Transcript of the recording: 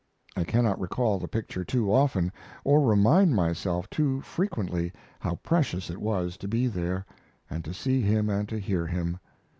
I cannot recall the picture too often, or remind myself too frequently how precious it was to be there, and to see him and to hear him.